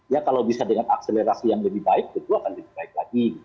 ya kalau bisa dengan akselerasi yang lebih baik tentu akan lebih baik lagi